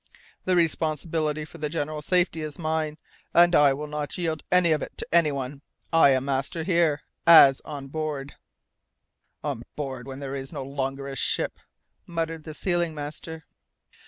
The responsibility for the general safety is mine, and I will not yield any of it to anyone. I am master here, as on board " "On board when there is no longer a ship," muttered the sealing master.